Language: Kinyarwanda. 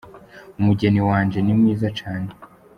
Umugeni wajye ni mwiza cyane.